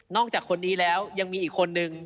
จากคนนี้แล้วยังมีอีกคนนึง